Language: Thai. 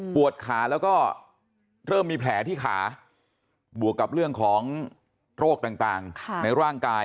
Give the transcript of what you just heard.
ขาแล้วก็เริ่มมีแผลที่ขาบวกกับเรื่องของโรคต่างในร่างกาย